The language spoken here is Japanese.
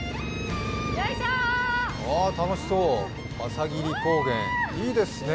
あ、楽しそう、朝霧高原、いいですね。